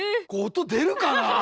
音出るかな。